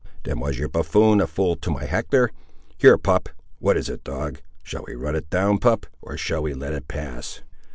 "Then was your buffoon a fool to my Hector! Here: pup!—What is it, dog?—Shall we run it down, pup—or shall we let it pass?"